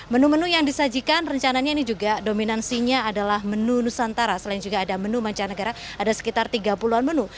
menu menu yang disajikan rencananya ini juga dominansinya adalah menu nusantara selain juga ada menu mancanegara ada sekitar tiga puluh an menu